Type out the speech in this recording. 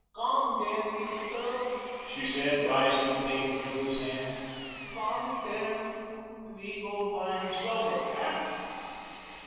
"Gome, den, leedle girl," she said, rising and taking Hilda's hand. "Gome, den, we go vind subber, hey?"